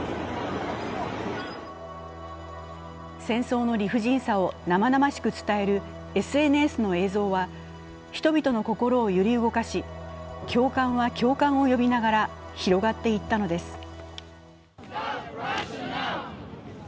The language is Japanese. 戦争の理不尽さを生々しく伝えるＳＮＳの映像は人々の心を揺り動かし、共感は共感を呼びながら広がっていったのです。